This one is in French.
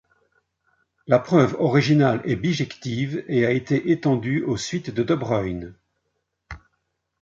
La preuve originale est bijective, et a été étendue aux suites de de Bruijn.